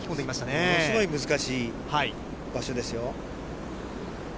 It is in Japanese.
ものすごい難しい場所ですよ。